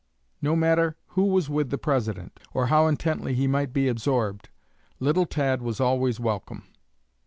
No matter who was with the President, or how intently he might be absorbed, little Tad was always welcome.